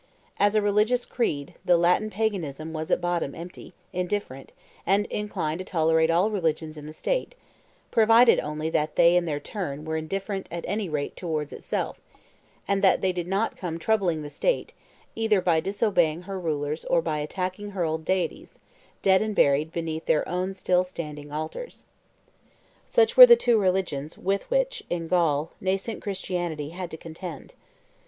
As a religious creed, the Latin Paganism was at bottom empty, indifferent, and inclined to tolerate all religions in the state, provided only that they, in their turn, were indifferent at any rate towards itself, and that they did not come troubling the state, either by disobeying her rulers or by attacking her old deities, dead and buried beneath their own still standing altars. Such were the two religions with which, in Gaul, nascent Christianity had to contend.